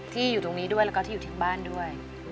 ที่อยู่ตรงนี้ด้วยแล้วก็ที่อยู่ที่บ้านด้วย